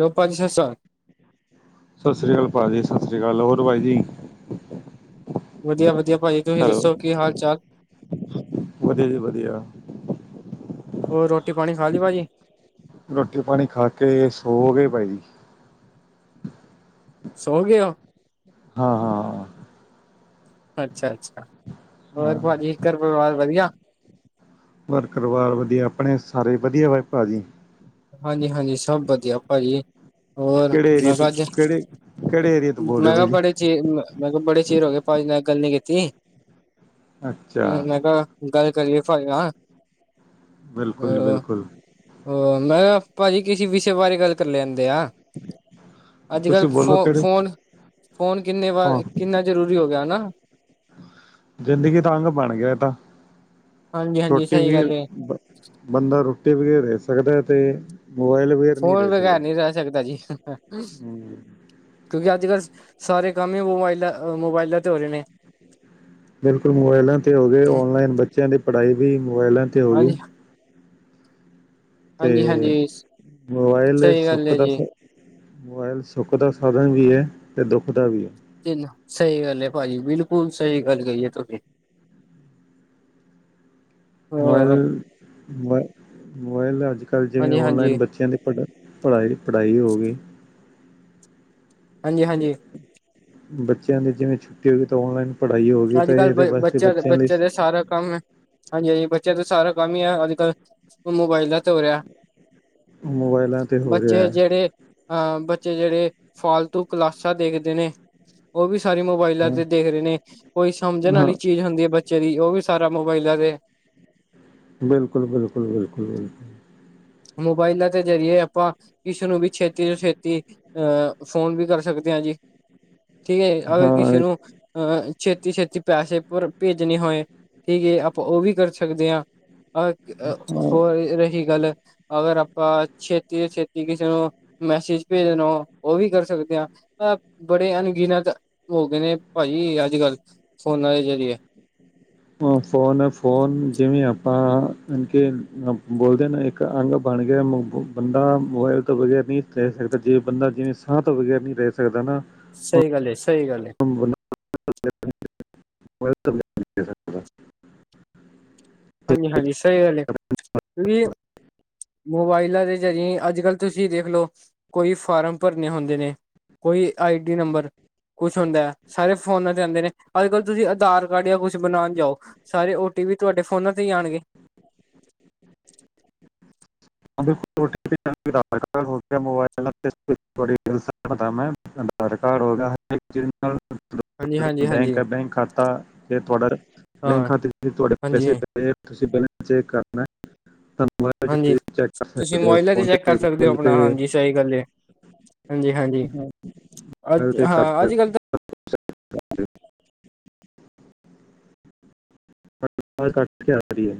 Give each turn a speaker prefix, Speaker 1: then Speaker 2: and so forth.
Speaker 1: ਦੇਓ, ਪੰਜ -ਛੇ ਸਾਲ।
Speaker 2: ਸਤਿ ਸ੍ਰੀ ਆਕਾਲ ਭਾਜੀ ਸਤਿ ਸ੍ਰੀ ਅਕਾਲ ਹੋਰ ਭਾਈ ਜੀ
Speaker 1: ਵਧੀਆ ਵਧੀਆ ਭਾਜੀ ਤੁਸੀ
Speaker 2: ਹੈਲੋ
Speaker 1: ਦੱਸੋ ਕੀ ਹਾਲ ਚਾਲ
Speaker 2: ਵਧੀਆ ਜੀ ਵਧੀਆ
Speaker 1: ਹੋਰ ਰੋਟੀ ਪਾਣੀ ਖਾ ਲਈ ਭਾਅਜੀ
Speaker 2: ਰੋਟੀ ਪਾਣੀ ਖਾ ਕੇ ਇਹ ਸੋ ਗਏ ਭਾਈ ਜੀ
Speaker 1: ਸੋ ਗਏ ਓ
Speaker 2: ਹਾ ਹਾ
Speaker 1: ਅੱਛਾ ਅੱਛਾ
Speaker 2: ਹਾਂ
Speaker 1: ਹੋਰ ਭਾਜੀ ਘਰ ਪਰਿਵਾਰ ਵਧੀਆ
Speaker 2: ਘਰ ਪਰਿਵਾਰ ਵਧੀਆ ਆਪਣੇ ਸਾਰੇ ਵਧੀਆ ਵਾ ਭਾਜੀ
Speaker 1: ਹਾਜੀ ਹਾਜੀ ਸਭ ਵਧੀਆ ਭਾਜੀ ਹੋਰ
Speaker 2: ਕਿਹੜੇ ਏਰੀਏ
Speaker 1: ਮੈ
Speaker 2: ਤੋਂ
Speaker 1: ਕਿਹਾ ਅੱਜ
Speaker 2: ਕਿਹੜੇ ਕਿਹੜੇ ਏਰੀਏ ਤੋਂ ਬੋਲ ਰਹੇ
Speaker 1: ਮੈ
Speaker 2: ਹੋ
Speaker 1: ਕਿਹਾ
Speaker 2: ਭਾਜੀ
Speaker 1: ਬੜੇ ਜੀ ਮੈ ਕਿਹਾ ਬੜੇ ਚਿਰ ਹੋ ਗਏ ਭਾਜੀ ਨਾਲ ਗੱਲ ਨੀ ਕੀਤੀ
Speaker 2: ਅੱਛਾ
Speaker 1: ਹ ਮੈ ਕਿਹਾ ਗੱਲ ਕਰੀਏ ਭਾਜੀ ਨਾ
Speaker 2: ਬਿਲਕੁਲ ਜੀ ਬਿਲਕੁਲ
Speaker 1: ਹੋਰ ਮੈ ਕਿਹਾ ਭਾਜੀ ਕਿਸੇ ਵਿਸ਼ੇ ਬਾਰੇ ਗੱਲ ਕਰ ਲੈਦੇ ਆ ਅੱਜ
Speaker 2: ਤੁਸੀਂ
Speaker 1: ਕੱਲ੍ਹ ਫੋ
Speaker 2: ਬੋਲੋ ਕਿਹੜੇ
Speaker 1: ਫੋਨ ਫੋਨ ਕਿੰਨੇ
Speaker 2: ਹਾਂ
Speaker 1: ਵਾਰ ਕਿੰਨਾ ਜ਼ਰੂਰੀ ਹੋ ਗਿਆ ਹੈ ਨਾ
Speaker 2: ਜਿੰਦਗੀ ਦਾ ਅੰਗ ਬਣ ਗਿਆ ਇਹ ਤਾ
Speaker 1: ਹਾਂਜੀ ਹਾਂਜੀ
Speaker 2: ਰੋਟੀ
Speaker 1: ਸਹੀ
Speaker 2: ਵੀ
Speaker 1: ਗੱਲ ਹੈ
Speaker 2: ਬੰਦਾ ਰੋਟੀ ਵਗੈਰ ਰਹਿ ਸਕਦਾ ਹੈ ਤੇ ਮੋਬਾਇਲ ਬਗੈਰ ਨਹੀਂ
Speaker 1: ਫੋਨ
Speaker 2: ਰਹਿ ਸਕਦਾ
Speaker 1: ਬਗੈਰ ਨਹੀ ਰਹਿ ਸਕਦਾ ਜੀ
Speaker 2: ਹੂੰ,
Speaker 1: ਕਿਉਕਿ ਅੱਜ ਕੱਲ ਸਾਰੇ ਕੰਮ ਹੀ ਮੋਬਾਈਲ ਮੋਬਾਈਲਾ ਤੇ ਹੋ ਰਹੇ ਨੇ
Speaker 2: ਬਿਲਕੁਲ ਮੋਬਾਇਲਾ ਤੇ ਹੋ ਗਏ ਔਨਲਾਈਨ ਬੱਚਿਆ ਦੀ ਪੜ੍ਹਾਈ ਵੀ ਮੋਬਾਇਲਾ ਤੇ ਹੋ ਗਈ
Speaker 1: ਹਾਂਜੀ
Speaker 2: ਤੇ
Speaker 1: ਹਾਂਜੀ ਹਾਂਜੀ
Speaker 2: ਮੋਬਾਈਲ
Speaker 1: ਸਹੀ ਗੱਲ
Speaker 2: ਸੁੱਖ
Speaker 1: ਹੈ
Speaker 2: ਦਾ
Speaker 1: ਜੀ।
Speaker 2: ਸ ਮੋਬਾਇਲ ਸੁੱਖ ਦਾ ਸਾਧਨ ਵੀ ਹੈ ਤੇ ਦੁੱਖ ਦਾ ਵੀ ਹੈ
Speaker 1: ਤਿੰਨ ਸਹੀ ਗੱਲ ਹੈ ਭਾਜੀ ਬਿਲਕੁਲ ਸਹੀ ਗੱਲ ਕਹੀਏ ਤੁਸੀ [inaudible] ਹਾਂ
Speaker 2: ਮੋਬਾਇਲ ਮੋਬ ਮੋਬਾਇਲ ਅੱਜ ਕੱਲ੍ਹ ਜਿਵੇ
Speaker 1: ਹਾਂਜੀ
Speaker 2: ਔਨਲਾਈਨ
Speaker 1: ਹਾਂਜੀ
Speaker 2: ਬੱਚਿਆ ਦੀ ਪੜ੍ਹਾਈ ਪੜ੍ਹਾਈ ਪੜ੍ਹਾਈ ਹੋ ਗਈ
Speaker 1: ਹਾਂਜੀ -ਹਾਂਜੀ
Speaker 2: ਬੱਚਿਆਂ ਦੀ ਜਿਵੇਂ ਛੁੱਟੀ ਓਗੀ ਤਾਂ ਔਨਲਾਈਨ -
Speaker 1: ਅੱਜ ਕੱਲ੍ਹ ਬ ਬੱਚਿਆਂ ਦਾ ਬੱਚਿਆਂ ਦਾ ਸਾਰਾ ਕੰਮ ਹਾਂਜੀ- ਹਾਂਜੀ, ਬੱਚਿਆਂ ਤੋਂ ਸਾਰਾ ਕੰਮ ਹੀ ਆ ਅੱਜ ਕੱਲ੍ਹ ਮੋਬਾਇਲਾਂ ਤੇ ਓ ਰਿਐ।
Speaker 2: ਮੋਬਾਇਲਾਂ ਤੇ ਹੋ
Speaker 1: ਬੱਚੇ
Speaker 2: ਰਿਹਾ
Speaker 1: ਜਿਹੜੇ ਅਹ, ਬੱਚੇ ਜਿਹੜੇ ਫਾਲਤੂ ਕਲਾਸਾਂ ਦੇਖਦੇ ਨੇ ਓ ਵੀ ਸਾਰੀ ਮੋਬਾਈਲਾਂ
Speaker 2: ਹੈ
Speaker 1: ਤੇ ਦੇਖਰੇ ਨੇ, ਕੋਈ ਸਮਝਣ
Speaker 2: ਹਾਂ
Speaker 1: ਆਲੀ ਚੀਜ਼ ਹੁੰਦੀ ਐ ਬੱਚੇ ਦੀ ਓਵੀ ਸਾਰਾ ਮੋਬਾਇਲਾਂ ਤੇ
Speaker 2: ਬਿਲਕੁਲ -ਬਿਲਕੁਲ- ਬਿਲਕੁਲ -ਬਿਲਕੁਲ।
Speaker 1: ਮੋਬਾਇਲਾਂ ਤੇ ਜ਼ਰੀਏ ਆਪਾਂ ਕਿਸ ਨੂੰ ਵੀ ਛੇਤੀ ਤੋਂ ਛੇਤੀ ਅਅ, ਫ਼ੋਨ ਵੀ ਕਰ ਸਕਦੇ ਆਂ ਜੀ ਠੀਕੈ ਅਗਰ ਕਿਸੇ
Speaker 2: ਹਾਂ
Speaker 1: ਨੂੰ ਅਹ ਛੇਤੀ -ਛੇਤੀ ਪੈਸੇ ਭੁਰ ਭੇਜਣੇ ਹੋਏ ਠੀਕ ਏ ਆਪਾਂ ਉਵੀ ਕਰ ਸਕਦੇ ਆਂ। ਅਕ-ਅਅ,
Speaker 2: ਹਾਂ
Speaker 1: ਹੋਰ ਰਹੀ ਗੱਲ ਅਗਰ ਆਪਾ ਛੇਤੀ ਤੋ ਛੇਤੀ ਕਿਸੇ ਨੂੰ ਮੈਸੇਜ ਭੇਜਣੋ ਉਹ ਵੀ ਕਰ ਸਕਦੇ ਆ। ਅਅ, ਬੜੇ ਅਣਗਿਣਤ ਹੋਗੇ ਨੇ ਭਾਜੀ ਅੱਜ ਕੱਲ ਫੋਨਾਂ ਦੇ ਜ਼ਰੀਏ।
Speaker 2: ਮ, ਫੋਨ ਏ ਫੋਨ ਜਿਵੇਂ ਆਪਾਂ ਅਣ ਕਿ ਅ ਬੋਲਦੇ ਆਂ ਨਾ ਇੱਕ ਅੰਗ ਬਣ ਗਿਐ ਮ-ਬ, ਬੰਦਾ ਮੋਬਾਇਲ ਤੋਂ ਬਗੈਰ ਨੀਂ ਰੈਅ ਸਕਦਾ ਜੇ ਬੰਦਾ ਜਿਵੇਂ ਬੰਦਾ ਜਿਵੇਂ ਸਾਂਅ ਤੋਂ ਬਗੈਰ ਨੀਂ ਰੈਅ ਸ ਸਕਦਾ ਨਾਂ।
Speaker 1: ਸਈ ਗੱਲ ਏ- ਸਈ ਗੱਲ ਏ।
Speaker 2: [unintelligible] [unintelligible]
Speaker 1: ਹਾਂਜੀ-ਹਾਂਜੀ। ਸਈ ਗੱਲ ਏ, ਕਿਉਂਕਿ ਮੋਬਾਇਲਾਂ ਦੇ ਜਰੀਏਂ ਈ ਅੱਜ-ਕਲ ਤੁਸੀਂ ਦੇਖਲੋ ਕੋਈ ਫਾਰਮ ਭਰਨੇ ਹੁੰਦੇ ਨੇ ਕੋਈ ਆਈ ਡੀ ਨੰਬਰ ਕੁਛ ਹੁੰ ਦੈ ਸਾਰੇ ਫੋਨਾਂ ਤੇ ਆਂਦੇ ਨੇ, ਅੱਜ-੍ਰਕਲ ਤੁਸੀਂ ਆਧਾਰ ਕਾਰਡ ਜਾਂ ਕੁਛ ਬਣਾਣ ਜਾਓ ਸਾਰੇ ਓ ਟੀ ਪੀ ਤੁਆਡੇ ਫੋਨਾਂ ਤੇ ਈ ਆਣਗੇ।
Speaker 2: ਹਾਂ ਬਿਲਕੁਲ। ਓ ਟੀ ਪੀ [unintelligible]
Speaker 1: ਹਾਂਜੀ ਹਾਂਜੀ
Speaker 2: [unintelligible] ਬੈਂਕ
Speaker 1: ਹਾਂਜੀ
Speaker 2: ਐ ਬੈਂਕ ਖਾਤਾ ਤੇ ਤੁਆਡਾ
Speaker 1: ਹਾਂ
Speaker 2: ਬੈਂਕ ਖਾਤੇ ' ਚ ਤੁਆਡੇ
Speaker 1: ਹਾਂਜੀ
Speaker 2: ਪੈਸੇ ਪਏ ਐ, ਤੁਸੀਂ ਬੈਲੇਸ ਚੈੱਕ ਕਰਨੈ ਤਾਂ ਮੋਬਾਇਲ 'ਚ
Speaker 1: ਜੀ,
Speaker 2: ਤੁਸੀਂ ਚੈੱਕ ਕਰ
Speaker 1: ਤੁਸੀਂ
Speaker 2: ਸਕਦੇ ਹੋ
Speaker 1: ਮੋਆਈਲਾਂ ਤੇ
Speaker 2: ਫੋਨ
Speaker 1: ਚੈੱਕ ਕਰ ਸਕਦੇ ਓ
Speaker 2: ਗੂਗਲ
Speaker 1: ਅਪਣਾ,
Speaker 2: ਪੇ
Speaker 1: ਹਾਂਜੀ ਸਈ ਗੱਲ ਐ। ਹਾਂਜੀ-ਹਾਂਜੀ।
Speaker 2: ਮੋਬਾਇਲ
Speaker 1: ਅੱਜ
Speaker 2: ਤੇ ਕਰ
Speaker 1: ਹਾ,
Speaker 2: ਸਕਦੇ
Speaker 1: ਅੱਜ-ਕਲ ਤਾ
Speaker 2: ਹੋ ਵਾਜ ਕੱਟ ਕੇ ਆਰੀ ਐ।